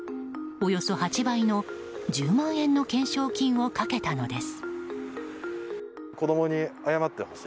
およそ８倍の１０万円の懸賞金をかけたのです。